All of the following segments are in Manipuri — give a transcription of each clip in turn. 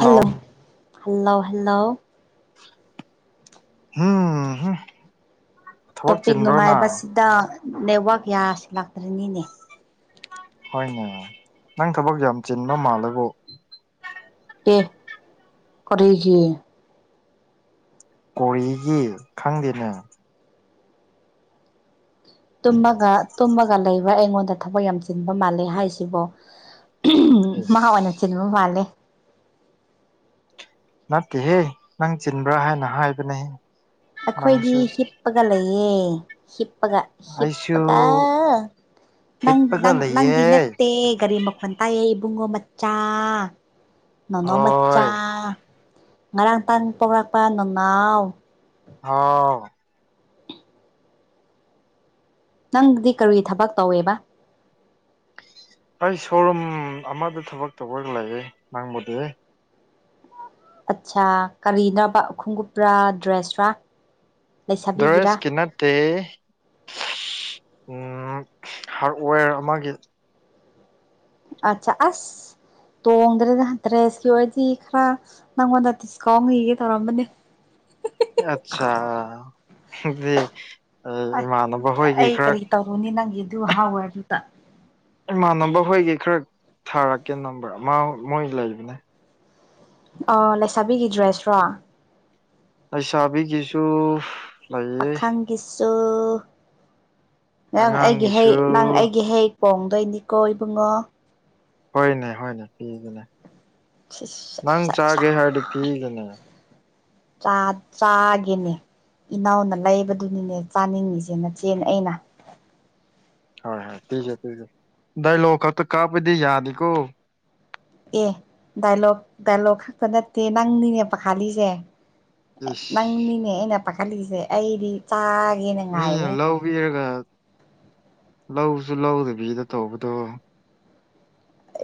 ꯍꯜꯂꯣ ꯍꯜꯂꯣ ꯍꯜꯂꯣ ꯎꯝ ꯊꯕꯛ ꯇꯣꯄꯤꯛ ꯆꯤꯟꯕ꯭ꯔꯣꯅ ꯅꯨꯡꯉꯥꯏꯕꯁꯤꯗ ꯅꯦꯠꯋꯥꯛ ꯌꯥꯁꯤ ꯂꯥꯛꯇ꯭ꯔꯤꯅꯤꯅꯦ ꯍꯣꯏꯅꯦ ꯅꯪ ꯊꯕꯛ ꯌꯥꯝ ꯆꯤꯟꯕ ꯃꯥꯜꯂꯕꯨ ꯑꯦ ꯀꯔꯤꯒꯤ ꯀꯣꯔꯤꯒꯤ ꯈꯪꯗꯦꯅꯦ ꯇꯨꯝꯃꯒ ꯇꯨꯝꯃꯒ ꯂꯩꯕ ꯑꯩꯉꯣꯟꯗ ꯊꯕꯛ ꯌꯥꯝ ꯆꯤꯟꯕ ꯃꯥꯜꯂꯦ ꯍꯥꯏꯁꯤꯕꯣ ꯃꯥ ꯏꯁ ꯑꯣꯏꯅ ꯆꯤꯟꯕ ꯃꯥꯜꯂꯦ ꯅꯠꯇꯦꯍꯦ ꯅꯪ ꯆꯤꯟꯕ꯭ꯔꯥ ꯍꯥꯏꯅ ꯍꯥꯏꯕꯅꯦ ꯑꯩꯈꯣꯏꯗꯤ ꯍꯤꯞꯄꯒ ꯂꯩꯌꯦ ꯍꯤꯞꯄꯒ ꯑꯩꯁꯨ ꯍꯤꯞꯄꯒ ꯅꯪ ꯍꯤꯞꯄꯒ ꯅꯪ ꯅꯪꯗꯤ ꯂꯩꯌꯦ ꯅꯠꯇꯦ ꯒꯥꯔꯤ ꯃꯈ ꯃ ꯇꯥꯏꯌꯦ ꯏꯕꯨꯡꯉꯣ ꯃꯆꯥ ꯅꯅꯥꯎ ꯃꯆꯥ ꯍꯣꯏ ꯉꯔꯥꯡ ꯇꯥꯟ ꯄꯣꯛꯂꯛꯄ ꯅꯨꯡꯅꯥꯎ ꯍꯥꯎ ꯅꯪꯗꯤ ꯀꯔꯤ ꯊꯕꯛ ꯇꯧꯋꯦꯕ ꯑꯩ ꯁꯣꯔꯨꯝ ꯑꯃꯗ ꯊꯕꯛ ꯇꯧꯕꯒ ꯂꯩ ꯅꯪꯕꯨꯗꯤ ꯑꯠꯁꯥ ꯀꯔꯤꯅꯣꯕ ꯈꯨꯉꯨꯞꯔꯥ ꯗ꯭ꯔꯦꯁꯔꯥ ꯗ꯭ꯔꯋꯦꯁ ꯂꯩꯁꯥꯕꯤꯒꯤꯔꯥ ꯀꯤ ꯅꯠ ꯇꯩ ꯍꯥꯔꯠꯋꯦꯔ ꯑꯃꯒꯤ ꯑꯠꯆꯥ ꯑꯁ ꯇꯣꯡꯗ꯭ꯔꯦꯗ ꯗ꯭ꯔꯦꯁꯀꯤ ꯑꯣꯏꯔꯗꯤ ꯈꯔ ꯅꯪꯉꯣꯜꯗ ꯗꯤꯁꯀꯥꯎꯜ ꯅꯤꯌꯦ ꯇꯧꯔꯝꯕꯅꯦ ꯑꯠꯆꯥ ꯑꯗꯨꯗꯤ ꯑꯩ ꯏꯃꯥꯟꯅꯕ ꯍꯣꯏꯒꯤ ꯈꯔ ꯇꯧꯅꯤ ꯅꯪ ꯒꯤ ꯑꯗꯨ ꯍꯥ ꯑꯣꯌꯥꯔ ꯗꯨꯗ ꯏꯃꯥꯟꯅꯕ ꯍꯣꯏꯒꯤ ꯈꯔ ꯊꯥꯔꯛꯀꯦ ꯅꯝꯕꯔ ꯃꯥ ꯃꯣꯏ ꯂꯩꯕꯅꯦ ꯂꯩꯁꯥꯕꯤꯒꯤ ꯗ꯭ꯔꯦꯁꯔꯣ ꯂꯩꯁꯥꯕꯤꯒꯤꯁꯨ ꯂꯩꯌꯦ ꯒꯤꯁꯨ ꯅꯪ ꯑꯩꯒꯤ ꯍꯩ ꯑꯉꯥꯡꯒꯤꯁꯨ ꯅꯪ ꯑꯩꯒꯤ ꯍꯩ ꯀꯣꯡꯗꯣꯏꯅꯤꯀꯣ ꯏꯕꯨꯡꯉꯣ ꯍꯣꯏꯅꯦ ꯍꯣꯏꯅꯦ ꯄꯤꯒꯅꯦ ꯅꯪ ꯆꯥꯒꯦ ꯍꯥꯏꯔꯗꯤ ꯄꯤꯒꯅꯦ ꯆꯥꯒꯦꯅꯦ ꯏꯅꯥꯎꯅ ꯂꯩꯕꯗꯨꯅꯤꯅꯦ ꯆꯥꯅꯤꯡꯉꯤꯁꯦ ꯅꯆꯦꯅ ꯑꯩꯅ ꯍꯣꯏ ꯍꯣꯏ ꯄꯤꯒꯦ ꯄꯤꯒꯦ ꯗꯥꯏꯂꫭꯒ ꯈꯛꯇ ꯀꯥꯞꯄꯗꯤ ꯌꯥꯗꯦꯀꯣ ꯑꯦ ꯗꯥꯏꯂꯣꯛ ꯗꯥꯏꯂꯣꯛ ꯈꯛꯇ ꯅꯠꯇꯦ ꯅꯪꯅꯤꯅꯦ ꯄꯥꯈꯠꯂꯤꯁꯦ ꯑꯦ ꯏꯁ ꯅꯪꯅꯤꯅꯦ ꯑꯩꯅ ꯄꯥꯈꯠꯂꯤꯁꯦ ꯑꯩꯗꯤ ꯆꯥꯒꯦꯅ ꯉꯥꯏꯔꯦ ꯄꯤꯔꯒ ꯂꯧꯁꯨ ꯂꯧꯗꯕꯤꯗ ꯇꯧꯕꯗꯣ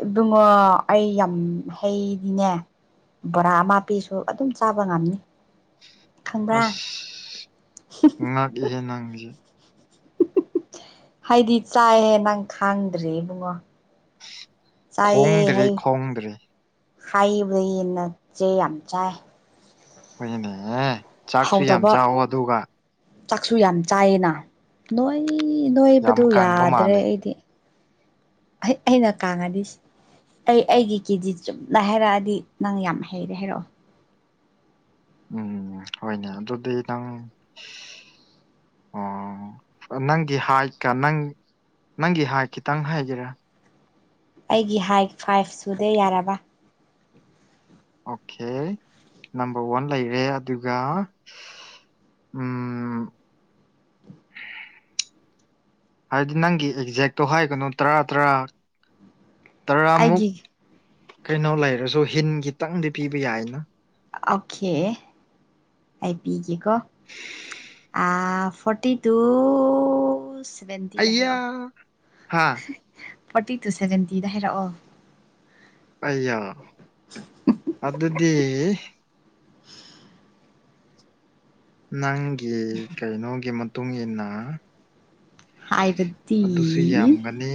ꯑꯗꯨꯃ ꯑꯩ ꯌꯥꯝ ꯍꯩꯗꯤꯅꯦ ꯕꯣꯔꯥ ꯑꯃ ꯄꯤꯁꯨ ꯑꯗꯨꯝ ꯆꯥꯕ ꯉꯝꯅꯤ ꯈꯪꯕ꯭ꯔꯥ ꯑꯁ ꯉꯥꯛꯏꯍꯦ ꯅꯪꯉꯁꯦ ꯍꯥꯏꯗꯤ ꯆꯥꯏꯍꯦ ꯅꯪ ꯈꯥꯡꯗ꯭ꯔꯤ ꯏꯕꯨꯡꯉꯣ ꯆꯥꯏꯑ ꯈꯣꯡꯗ꯭ꯔꯦ ꯍꯩ ꯈꯣꯡꯗ꯭ꯔꯦ ꯍꯥꯏꯕꯗꯅ ꯆꯦ ꯌꯥꯝ ꯆꯥꯏ ꯍꯣꯏꯅꯦꯍꯦ ꯆꯥꯛꯁꯨ ꯌꯥꯝ ꯍꯧꯗꯕ ꯆꯥꯎꯑ ꯑꯗꯨꯒ ꯆꯥꯛꯁꯨ ꯌꯥꯝ ꯆꯥꯏꯌꯦꯅ ꯅꯣꯏ ꯌꯥꯝ ꯅꯣꯏꯕꯗꯨ ꯀꯪꯕ ꯌꯥꯗ꯭ꯔꯦ ꯃꯥꯜꯂꯦ ꯑꯩꯗꯤ ꯑꯩꯅ [unintelligible] ꯑꯩ ꯑꯩꯒꯤ ꯀꯦꯖꯤ ꯆꯨꯝꯅ ꯍꯥꯏꯔꯛꯑꯗꯤ ꯅꯪ ꯌꯥꯝ ꯍꯩꯔꯦ ꯍꯥꯏꯔꯛꯑꯣ ꯎꯝ ꯍꯣꯏꯅꯦ ꯑꯗꯨꯗꯤ ꯅꯪ ꯑꯣ ꯅꯪꯒꯤ ꯍꯥꯏꯠꯀ ꯅꯪ ꯅꯪꯒꯤ ꯍꯥꯏꯠ ꯈꯤꯇꯪ ꯍꯥꯏꯒꯦꯔꯥ ꯑꯩꯒꯤ ꯍꯥꯏꯠ ꯐꯥꯏꯞ ꯁꯨꯗꯦ ꯌꯥꯔꯕ ꯑꯣꯛꯈꯦ ꯅꯝꯕꯔ ꯋꯥꯟ ꯂꯩꯔꯦ ꯑꯗꯨꯒ ꯎꯝ ꯍꯥꯏꯗꯤ ꯅꯪꯒꯤ ꯑꯦꯛꯖꯦꯛꯇꯣ ꯍꯥꯏꯒꯅꯨ ꯇꯔꯥ ꯇꯔꯥ ꯇꯔꯥꯃꯨꯛ ꯑꯩꯒꯤ ꯀꯩꯅꯣ ꯂꯩꯔꯁꯨ ꯍꯤꯟ ꯈꯤꯇꯪꯗꯤ ꯄꯤꯕ ꯌꯥꯏꯅ ꯑꯣꯀꯦ ꯑꯩ ꯄꯤꯒꯦꯀꯣ ꯐꯣꯔꯇꯤ ꯇꯨ ꯁꯚꯦꯟꯇꯤꯗ ꯑꯩꯌꯥ ꯍꯥꯏꯔꯣ ꯍꯥ ꯐꯣꯔꯇꯤ ꯇꯨ ꯁꯚꯦꯟꯇꯤꯗ ꯍꯥꯏꯔꯛꯑꯣ ꯑꯩ ꯌꫭ ꯑꯗꯨꯗꯤ ꯅꯪꯒꯤ ꯀꯩꯅꯣꯒꯤ ꯃꯇꯨꯡ ꯃꯇꯨꯡꯏꯟꯅ ꯍꯥꯏꯔꯗꯤ ꯑꯗꯨꯁꯨ ꯌꯥꯝꯒꯅꯤ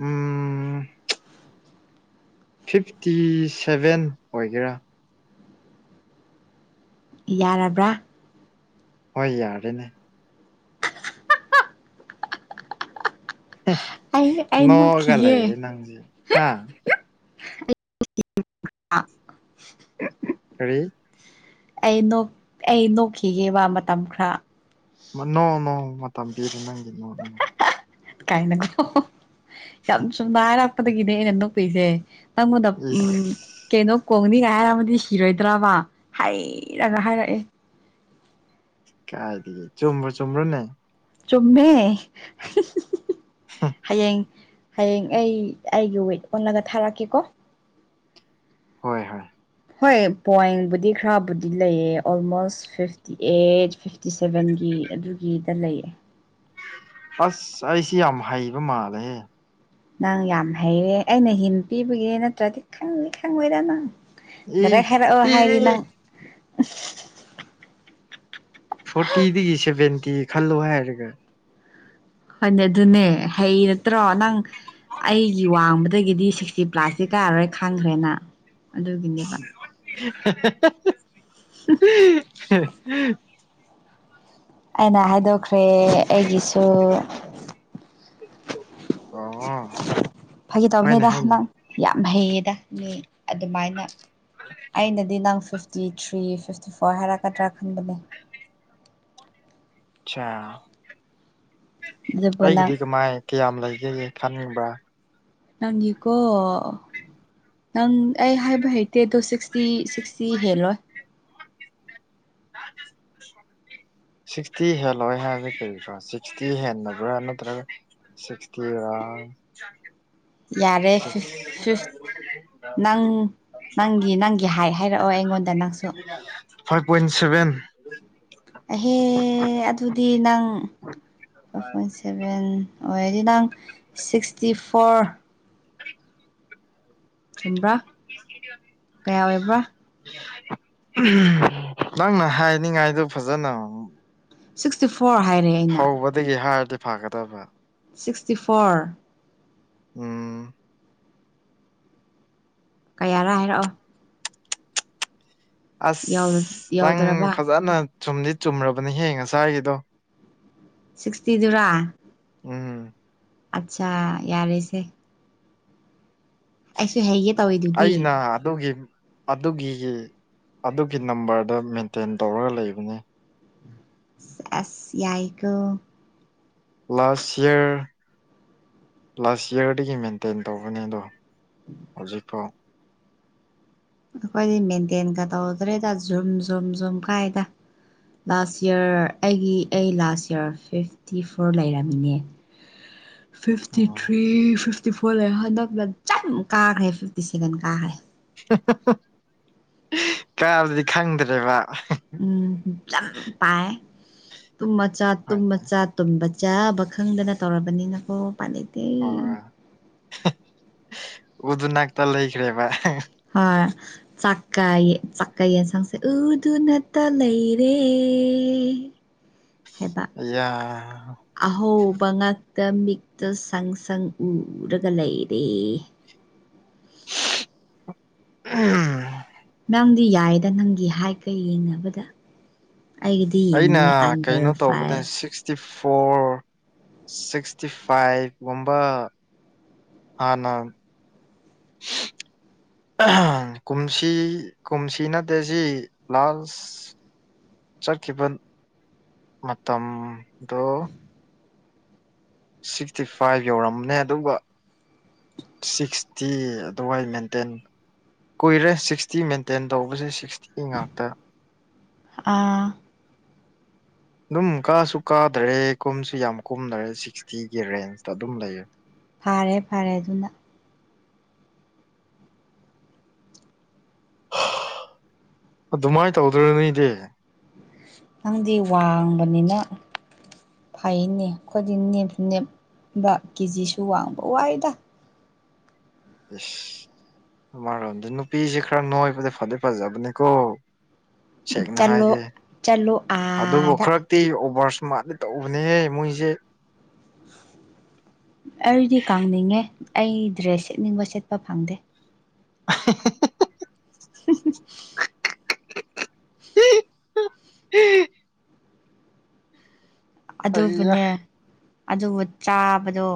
ꯎꯝ ꯐꯤꯐꯇꯤ ꯁꯚꯦꯟ ꯑꯣꯏꯒꯦꯔꯥ ꯌꯥꯔꯕ꯭ꯔꯥ ꯍꯣꯏ ꯌꯥꯔꯦꯅꯦ ꯑꯩ ꯑꯩ ꯃꯒ ꯅꯣꯛꯈꯤꯌꯦ ꯂꯩꯔꯦ ꯅꯪꯁꯦ ꯍꯥ ꯀꯔꯤ ꯑꯩ ꯑꯩ ꯅꯣꯛꯈꯤꯒꯦꯕ ꯃꯇꯝ ꯈꯔ ꯅꯣ ꯅꯣ ꯃꯇꯝ ꯄꯤꯔꯦ ꯅꯪꯒꯤ [unintelligible] ꯀꯥꯏꯅꯀꯣ ꯌꯥꯝ ꯁꯨꯝꯅꯥꯔꯛꯄꯗꯒꯤꯅꯦ ꯅꯟꯅꯣꯛꯄꯤꯁꯦ ꯇꯪꯃꯗ ꯏꯁ ꯎꯝ ꯀꯩꯅꯣ ꯀꯣꯡꯅꯤꯒ ꯍꯥꯏꯔꯝꯃꯗꯤ ꯍꯤꯔꯣꯏꯗ꯭ꯔꯕ ꯍꯥꯏꯩꯔꯒ ꯍꯥꯏꯔꯛꯑꯦ ꯀꯥꯏꯗꯒꯤ ꯆꯨꯝ꯭ꯕꯨ ꯆꯨꯝꯕ꯭ꯔꯣꯅꯦ ꯆꯨꯝꯃꯦ ꯍꯌꯦꯡ ꯍꯌꯦꯡ ꯑꯩ ꯑꯩꯒꯤ ꯋꯦꯠ ꯑꯣꯜꯂꯒ ꯊꯥꯔꯛꯀꯦꯀꯣ ꯍꯣꯏ ꯍꯣꯏ ꯍꯣꯏ ꯄꯡꯕꯨꯗꯤ ꯈꯔꯕꯨꯗꯤ ꯂꯩꯌꯦ ꯑꯣꯜꯃꯣꯁ ꯐꯤꯐꯇꯤ ꯑꯩꯠ ꯐꯤꯐꯇꯤ ꯁꯚꯦꯟꯒꯤ ꯑꯗꯨꯒꯤꯗ ꯂꯩꯌꯦ ꯑꯁ ꯑꯩꯁꯤ ꯌꯥꯝ ꯍꯩꯕ ꯃꯥꯜꯂꯦꯍꯦ ꯅꯪ ꯌꯥꯝ ꯍꯩꯔꯦ ꯑꯩꯅ ꯍꯤꯟ ꯄꯤꯕꯒꯤꯦ ꯅꯠꯇ꯭ꯔꯗꯤ ꯈꯪꯉ ꯈꯪꯉꯣꯏꯔ ꯅꯪ ꯏ ꯗꯔ ꯍꯥꯏꯔꯛꯑꯣ ꯏ ꯍꯥꯏꯔꯤ ꯅꯪ ꯑ ꯐꯣꯔꯇꯤꯗꯒꯤ ꯁꯚꯦꯟꯇꯤ ꯈꯜꯂꯣ ꯍꯥꯏꯔꯒ ꯍꯣꯏꯅꯦ ꯑꯗꯨꯅꯦ ꯍꯩ ꯅꯠꯇ꯭ꯔꯣ ꯅꯪ ꯑꯩꯒꯤ ꯋꯥꯡꯃꯗꯒꯤꯗꯤ ꯁꯤꯛꯁꯇꯤ ꯄ꯭ꯂꯥꯁꯇꯤ ꯀꯥꯔꯣꯏ ꯈꯥꯡꯈ꯭ꯔꯦꯅ ꯑꯗꯨꯒꯤꯅꯦꯕ [unintelligible] ꯑꯩꯅ ꯍꯥꯏꯗꯣꯛꯈ꯭ꯔꯦ ꯑꯩꯒꯤꯁꯨ ꯑ ꯐꯥꯒꯤ ꯇꯧꯕꯅꯦꯗ ꯅꯪ ꯌꯥꯝ ꯍꯩꯌꯦꯗ ꯃꯤ ꯑꯗꯨꯃꯥꯏꯅ ꯑꯩꯅꯗꯤ ꯅꯪ ꯐꯤꯐꯇꯤ ꯊ꯭ꯔꯤ ꯐꯤꯐꯇꯤ ꯐꯣꯔ ꯍꯥꯏꯔꯛꯀꯗ꯭ꯔꯥ ꯈꯟꯕꯅꯦ ꯁꯥ ꯑꯗꯨꯕꯨ ꯅꯪ ꯑꯩꯒꯤꯗꯤ ꯀꯃꯥꯏ ꯀꯌꯥꯝ ꯂꯩꯒꯦ ꯈꯥꯅꯤꯡꯕ꯭ꯔꯥ ꯅꯪꯤꯀꯣ ꯅꯪ ꯑꯩ ꯍꯥꯏꯕ ꯍꯩꯇꯦ ꯑꯗꯣ ꯁꯤꯛꯁꯇꯤ ꯁꯤꯛꯁꯇꯤ ꯍꯦꯜꯂꯣꯏ ꯁꯤꯛꯁꯇꯤ ꯍꯦꯜꯂꯣꯏ ꯍꯥꯏꯕꯗꯤ ꯀ꯭ꯔꯣ ꯁꯤꯛꯁꯇꯤ ꯍꯦꯜꯕ꯭ꯔꯥ ꯅꯠꯇ꯭ꯔꯒ ꯁꯤꯁꯇꯤ ꯌꯥꯔꯦ ꯐꯤꯐ ꯐꯤꯐ ꯅꯪ [unintelligible] ꯅꯪꯒꯤ ꯅꯪꯒꯤ ꯍꯥꯏ ꯍꯥꯏꯔꯛꯑꯣ ꯑꯩꯉꯣꯟꯗ ꯅꯪꯁꯨ ꯐꯥꯏꯚ ꯄꯣꯏꯟ ꯁꯚꯦꯟ ꯑꯍꯦ ꯑꯗꯨꯗꯤ ꯅꯪ ꯁꯚꯦꯟ ꯑꯣꯏꯔꯗꯤ ꯅꯪ ꯁꯤꯛꯁꯇꯤ ꯐꯣꯔ ꯆꯨꯝꯕ꯭ꯔꯥ ꯀꯌꯥ ꯑꯣꯏꯕ꯭ꯔꯥ [unintelligible] ꯅꯪꯅ ꯍꯥꯏꯅꯤꯡꯉꯥꯏꯗꯣ ꯐꯖꯅ ꯁꯤꯛꯁꯇꯤ ꯐꯣꯔ ꯍꯥꯏꯔꯦ ꯑꯩꯅ ꯑꯗꯒꯤ ꯍꯥꯏꯔꯗꯤ ꯐꯥꯒꯗꯕ꯭ꯔꯥ ꯁꯤꯛꯁꯇꯤ ꯐꯣꯔ ꯎ ꯀꯌꯥꯔꯥ ꯍꯥꯏꯔꯛꯑꯣ ꯑꯁ ꯅꯪ ꯌꯧꯗ꯭ꯔꯕ ꯐꯖꯅ ꯆꯨꯝꯗꯤ ꯆꯨꯝꯔꯕꯅꯤ ꯍꯦꯡꯉꯁ꯭ ꯍꯥꯏꯒꯤꯗꯣ ꯁꯤꯛꯁꯇꯤꯗꯨꯔꯥ ꯎꯝ ꯑꯠꯆꯥ ꯌꯥꯔꯦꯁꯦ ꯑꯩꯁꯨ ꯍꯥꯏꯌꯦ ꯇꯧꯏꯗꯨ ꯑꯩꯅ ꯑꯗꯨꯒꯤ ꯑꯗꯨꯒꯤ ꯑꯗꯨꯒꯤ ꯅꯝꯕꯔꯗ ꯃꯦꯟꯇꯦꯟ ꯇꯧꯔꯒ ꯂꯩꯕꯅꯤ ꯑꯁ ꯌꯥꯏꯈ ꯂꯥꯁ ꯏꯔ ꯂꯥꯁ ꯌꯔꯗꯒꯤ ꯃꯦꯟꯇꯦꯟ ꯇꯧꯕꯅꯦ ꯑꯗꯣ ꯍꯧꯖꯤ ꯐꯣ ꯑꯩꯈꯣꯏꯗꯤ ꯃꯦꯟꯇꯦꯟꯒ ꯇꯧꯗ꯭ꯔꯦꯗ ꯖꯨꯝ ꯖꯨꯝ ꯖꯨꯝ ꯀꯥꯏꯗ ꯂꯥꯁ ꯏꯔ ꯑꯩꯒꯤ ꯑꯩ ꯂꯥꯁ ꯌꯔ ꯐꯤꯐꯇꯤ ꯐꯣꯔ ꯂꯩꯔꯝꯃꯤꯅꯦ [inaudible] ꯐꯤꯐꯇꯤ ꯎꯝ ꯊ꯭ꯔꯤ ꯐꯤꯐꯇꯤ ꯐꯣꯔ ꯂꯩꯔ ꯍꯟꯗꯛ ꯆꯝ ꯀꯥꯈ꯭ꯔꯦ ꯐꯤꯐꯇꯤ ꯁꯦꯚꯦꯟ ꯀꯥꯈ꯭ꯔꯦ ꯀꯥꯔꯗꯤ ꯈꯪꯗ꯭ꯔꯦꯕ ꯎꯝ ꯌꯥꯝ ꯄꯥꯏ ꯇꯨꯝ ꯃꯆꯥꯠ ꯇꯨꯝ ꯍꯣꯏꯅꯦ ꯃꯆꯥꯠ ꯇꯨꯝꯕ ꯆꯥꯕ ꯈꯪꯗꯅ ꯇꯧꯔꯕꯅꯤꯅꯀꯣ ꯄꯥꯂꯩꯇꯦ ꯎꯗꯨꯅꯅꯥ ꯇ ꯂꯩꯈ꯭ꯔꯦꯕ ꯍꯣꯏ ꯆꯥꯛꯀꯌꯦ ꯆꯥꯛꯀ ꯌꯦꯟꯁꯥꯡꯁꯦ ꯑꯗꯨ ꯅꯠꯇ ꯂꯩꯔꯦ [unintelligible] ꯑꯌꯥ ꯑꯍꯧꯕ ꯉꯥꯛꯇ ꯃꯤꯛꯇꯣ ꯁꯪ ꯁꯪ ꯎꯔꯒ ꯂꯩꯔꯦ ꯎꯝ ꯅꯪꯗꯤ ꯌꯥꯏꯌꯦꯗ ꯅꯪꯒꯤ ꯍꯥꯏꯇꯀ ꯌꯦꯡꯅꯕꯗ ꯑꯩꯒꯤꯗꯤ ꯌꯦꯡꯉꯨꯅꯦ ꯑꯩꯅ ꯑꯟꯗꯔ ꯀꯩꯅꯣ ꯇꯧꯕꯗ ꯐꯥꯏꯚ ꯁꯤꯛꯁꯇꯤ ꯐꯣꯔ ꯁꯤꯛꯁꯇꯤ ꯐꯥꯏꯚꯀꯨꯝꯕ ꯍꯥꯅ [inaudible] ꯀꯨꯝꯁꯤ ꯀꯨꯝꯁꯤ ꯅꯠꯇꯁꯤ ꯂꯥꯁ ꯆꯠꯈꯤꯕ ꯃꯇꯝꯗꯨ ꯁꯤꯛꯁꯇꯤ ꯐꯥꯏꯚ ꯌꯧꯔꯝꯕꯅꯦ ꯑꯗꯨꯒ ꯁꯤꯛꯁꯇꯤ ꯑꯗꯨꯋꯥꯏ ꯃꯦꯟꯇꯦꯟ ꯀꯨꯏꯔꯦ ꯁꯤꯛꯁꯇꯤ ꯃꯦꯟꯇꯦꯟ ꯇꯧꯕꯁꯦ ꯁꯤꯛꯁꯇꯤ ꯉꯥꯛꯇ ꯑꯥ ꯑꯗꯨꯝ ꯀꯥꯁꯨ ꯀꯥꯗꯔꯦ ꯀꯨꯝꯁꯨ ꯌꯥꯝ ꯀꯨꯝꯅꯔꯦ ꯁꯤꯛꯁꯇꯤꯒꯤ ꯔꯦꯟꯖꯇ ꯑꯗꯨꯝ ꯂꯩꯌꯦ ꯐꯥꯔꯦ ꯐꯥꯔꯦ ꯑꯗꯨꯅ ꯑꯗꯨꯃꯥꯏꯅ ꯇꯧꯗ꯭ꯔꯅꯤ ꯏꯗꯤ ꯅꯪꯗꯤ ꯋꯥꯡꯕꯅꯤꯅ ꯐꯩꯅꯦ ꯑꯩꯈꯣꯏꯗꯤ ꯅꯦꯝꯁꯨ ꯅꯦꯝꯕ ꯀꯦꯖꯤꯁꯨ ꯋꯥꯡꯕ ꯋꯥꯏꯗ ꯎ ꯔꯣꯗ ꯅꯨꯄꯤꯁꯦ ꯈꯔ ꯅꯣꯏꯕꯗꯤ ꯐꯗꯦ ꯐꯥꯖꯕꯅꯦ ꯀꯣ ꯁꯦꯡꯅ ꯆꯠꯂꯣ ꯍꯥꯏꯒꯦ ꯆꯠꯂꯣ ꯑꯗꯨꯕꯨ ꯑꯥꯗ ꯈꯔ ꯤ ꯑꯣꯚꯔꯁ ꯃꯥꯗꯤ ꯇꯧꯕꯅꯦꯍꯦ ꯃꯣꯏꯁꯦ ꯑꯩꯗꯤ ꯀꯪꯅꯤꯡꯉꯦ ꯑꯩ ꯗ꯭ꯔꯦꯁ ꯁꯦꯠꯅꯤꯡꯕ ꯁꯦꯠꯄ ꯐꯪꯗꯦ ꯑ [inaudible] [inaudible] ꯑꯩꯌꯥ ꯑꯗꯨꯕꯨꯅꯦ ꯑꯗꯨꯕꯨ ꯆꯥꯕꯗꯣ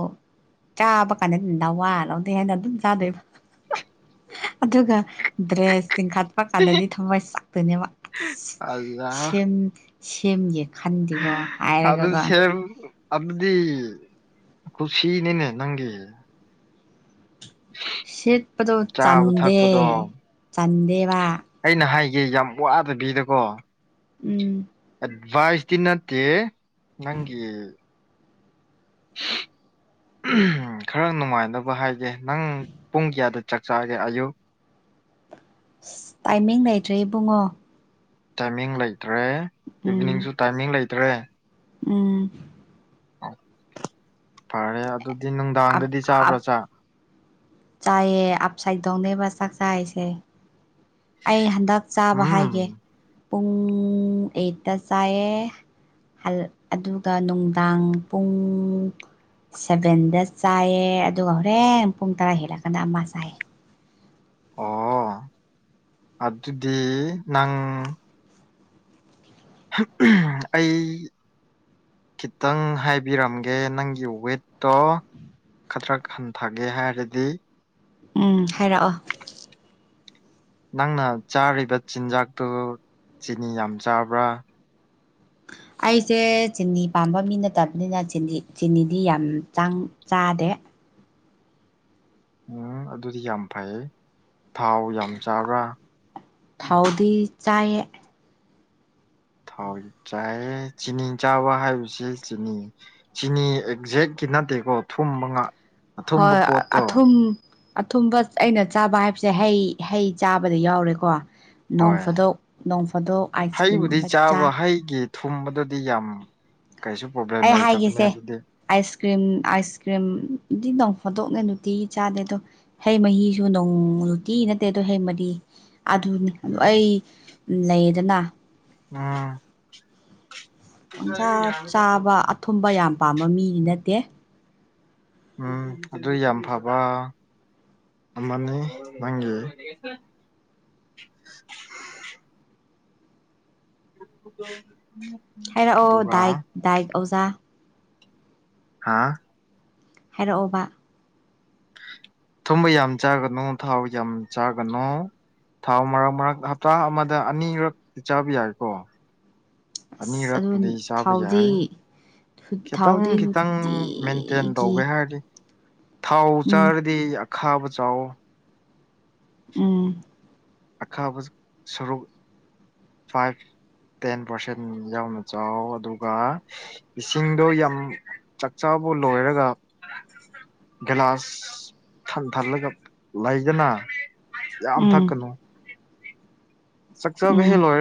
ꯆꯥꯕ ꯀꯥꯟꯗ ꯑꯗꯨꯝꯗꯥ ꯋꯥ ꯂꯧꯗꯦ ꯍꯥꯏꯦꯅ ꯑꯗꯨꯝ ꯆꯥꯗꯣꯏꯕ ꯑꯗꯨꯒꯒ ꯗ꯭ꯔꯦꯁꯁꯤꯡꯤꯡ ꯍꯥ ꯆꯄ ꯀꯥꯟꯗꯗꯤ ꯊꯝꯋꯥꯏ ꯁꯛꯇꯅꯦꯕ ꯑꯩꯌꯥ ꯑꯁ ꯁꯦꯝꯒꯦ ꯈꯟ ꯑꯗꯨꯗ ꯁꯦ ꯑꯗꯨꯕꯗꯤ ꯈꯨꯁꯤ ꯅꯅꯦ ꯅꯪꯒꯤ ꯁꯦꯠꯄꯗꯧ ꯆꯥꯕ ꯆꯟꯗꯦ ꯊꯛꯄꯗꯣ ꯆꯟꯗꯦ ꯕꯥ ꯑꯩꯅ ꯍꯥꯏꯒꯦ ꯌꯥꯝ ꯋꯥꯗꯕꯤꯗꯀꯣ ꯎꯝ ꯑꯦꯗꯚꯥꯏꯁꯇꯤ ꯅꯠꯇꯦ ꯅꯪꯒꯤ ꯈꯔ ꯅꯨꯡꯉꯥꯏꯅꯕ ꯍꯥꯏꯒꯦ ꯅꯪ ꯄꯨꯡ ꯀꯌꯥꯗ ꯆꯥꯛꯆꯥꯒꯤ ꯑꯌꯨꯛ ꯑꯁ ꯇꯥꯏꯃꯤꯡ ꯂꯩꯇ꯭ꯔꯦ ꯏꯕꯨꯡꯉꯣ ꯇꯥꯏꯃꯤꯡ ꯂꯩꯇ꯭ꯔꯦ ꯎꯝ ꯏꯚꯤꯅꯤꯡꯁꯨ ꯇꯥꯏꯃꯤꯡ ꯂꯩꯇ꯭ꯔꯦ ꯎꯝ ꯑ ꯐꯔꯦ ꯑꯗꯨꯗꯤ ꯑꯞ ꯅꯨꯡꯗꯥꯡꯗꯗꯤ ꯆꯥꯕ꯭ꯔꯥ ꯑꯞ ꯆꯥꯛ ꯆꯥꯏꯌꯦ ꯑꯞ ꯁꯥꯏꯠꯗꯧꯅꯦꯕ ꯆꯥꯛ ꯆꯥꯏꯁꯦ ꯑꯩ ꯍꯟꯗꯛ ꯆꯥꯕ ꯎꯝ ꯍꯥꯏꯒꯦ ꯄꯨꯡ ꯑꯩꯠꯇ ꯆꯥꯏꯑ ꯑꯗꯨꯒ ꯅꯨꯡꯗꯥꯡ ꯄꯨꯡ ꯁꯚꯦꯟꯗ ꯆꯥꯏꯌꯦ ꯑꯗꯨꯒ ꯍꯣꯔꯦꯟ ꯄꯨꯡ ꯇꯔꯥ ꯍꯦꯜꯂꯛꯀꯥꯟꯗ ꯑꯃ ꯆꯥꯏꯌꯦ ꯑꯣ ꯑꯗꯨ ꯑꯗꯨꯗꯤ ꯅꯪ ꯑꯩ ꯈꯤꯇꯪ ꯍꯥꯏꯕꯤꯔꯝꯒꯦ ꯅꯪꯒꯤ ꯋꯦꯠꯇꯣ ꯈꯇꯔꯛ ꯍꯟꯊꯒꯦ ꯍꯥꯏꯔꯗꯤ ꯎꯝ ꯍꯥꯏꯔꯛꯑꯣ ꯅꯪꯅ ꯆꯥꯔꯤꯕ ꯆꯤꯟꯖꯥꯛꯇꯨ ꯆꯤꯅꯤ ꯌꯥꯝ ꯆꯥꯕ꯭ꯔꯥ ꯑꯩꯁꯦ ꯆꯤꯅꯤ ꯄꯥꯝꯕ ꯃꯤ ꯅꯠꯇꯕꯅꯤꯅ ꯆꯤꯅꯤꯗꯤ ꯌꯥꯝ ꯆꯥꯡ ꯆꯥꯗꯦ ꯎꯝ ꯑꯗꯨꯗꯤ ꯌꯥꯝ ꯐꯩ ꯊꯥꯎ ꯌꯥꯝ ꯆꯥꯕ꯭ꯔꯥ ꯊꯥꯎꯗꯤ ꯆꯥꯌꯦ ꯊꯥꯎꯁ ꯆꯥꯏꯌꯦ ꯆꯤꯅꯤ ꯆꯥꯕ ꯍꯥꯏꯕꯕꯁꯤꯦ ꯆꯤꯅꯤ ꯆꯤꯅꯤ ꯑꯦꯛꯖꯦꯛꯀꯤ ꯅꯠꯇꯦꯀꯣ ꯊꯨꯝ ꯃꯉꯥ ꯍꯣꯏ ꯑꯊꯨꯝ ꯑꯊꯨꯝꯕ ꯑꯩꯅ ꯆꯥꯕ ꯍꯥꯏꯕꯁꯦ ꯍꯩ ꯍꯩ ꯆꯥꯕꯗ ꯌꯥꯎꯔꯦꯀꯣ ꯅꯣꯡ ꯍꯣꯏ ꯐꯥꯗꯣꯛ ꯅꯣꯡ ꯐꯥꯗꯣꯛ ꯑꯥꯏꯁ ꯀ꯭ꯔꯤꯝꯒꯨꯝꯕ ꯆꯥ ꯑꯩꯒꯤ ꯊꯨꯝꯕꯗꯗꯤ ꯌꯥꯝ ꯀꯩꯁꯨ ꯄ꯭ꯔꯣꯕ꯭ꯂꯦꯝ ꯑꯩ ꯂꯩꯇꯕꯅꯦ ꯍꯥꯏꯒꯦꯁꯦ ꯑꯗꯨꯗꯤ ꯑꯥꯏꯁ ꯀ꯭ꯔꯤꯝ ꯑꯥꯏꯁ ꯀ꯭ꯔꯤꯝ ꯗꯤ ꯅꯧ ꯐꯣꯗꯣꯛꯂꯦ ꯅꯨꯡꯇꯤꯒꯤ ꯆꯥꯗꯦ ꯑꯗꯣ ꯍꯦꯛ ꯃꯍꯤꯁꯨ ꯅꯣꯡꯨꯇꯤ ꯅꯠꯇꯦ ꯑꯗꯣ ꯍꯦꯛꯃꯗꯤ ꯑꯗꯨ ꯎꯝ ꯑꯩ ꯂꯩꯗꯅ ꯑꯝ ꯄꯪꯆꯥ ꯆꯥꯕ ꯑꯊꯨꯝꯕ ꯌꯥꯝ ꯄꯥꯝꯕ ꯃꯤꯗꯤ ꯅꯠꯇꯦ ꯎꯝ ꯑꯗꯨ ꯌꯥꯝ ꯐꯕ ꯑꯃꯅꯤ ꯅꯪꯒꯤ [inaudible] ꯍꯥꯏꯔꯛꯑꯣ ꯑꯗꯨꯒ ꯗꯥꯏꯠ ꯗꯥꯏꯠ ꯑꯣꯖꯥ ꯍꯥꯥ ꯍꯥꯏꯔꯛꯑꯣꯕ ꯊꯨꯝꯕ ꯌꯥꯝ ꯆꯥꯒꯅꯨ ꯊꯥꯎ ꯌꯥꯝ ꯆꯥꯒꯅꯨ ꯊꯥꯎ ꯃꯔꯛ ꯃꯔꯛ ꯍꯞꯇꯥ ꯑꯃꯗ ꯑꯅꯤꯔꯛꯇꯤ ꯆꯥꯕ ꯌꯥꯏꯀꯣ ꯑꯁ ꯑꯗꯨ ꯑꯅꯤꯔꯛꯄꯨꯗꯤ ꯆꯥꯕ ꯊꯥꯎꯗꯤ ꯌꯥꯏ ꯈꯤꯇꯪ ꯊꯥꯎꯗꯤ ꯈꯤꯇꯪ ꯃꯦꯟꯇꯦꯟ ꯅꯨꯡꯇꯤꯒꯤ ꯇꯧꯒꯦ ꯍꯥꯏꯔꯗꯤ ꯊꯥꯎ ꯎꯝ ꯆꯥꯔꯗꯤ ꯑꯈꯥꯕ ꯆꯥꯎꯋꯣ ꯎꯝ ꯑꯈꯥꯕ ꯁꯔꯨꯛ ꯐꯥꯏꯚ ꯇꯦꯟ ꯄꯥꯔꯁꯦꯟ ꯌꯥꯎꯅ ꯆꯥꯎ ꯑꯗꯨꯒ ꯏꯁꯤꯡꯗꯣ ꯌꯥꯝ ꯆꯥꯛꯆꯥꯕꯨ ꯂꯣꯏꯔꯒ ꯒꯤꯂꯥꯁ ꯊꯟ ꯊꯜꯂꯒ ꯂꯩꯗꯅ ꯌꯥꯝ ꯎꯝ ꯊꯛꯀꯅꯨ ꯆꯛꯆꯕ ꯎꯝ ꯍꯦ ꯂꯣꯏꯕ